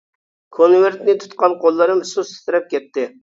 كونۋېرتنى تۇتقان قوللىرىم سۇس تىترەپ كەتتى.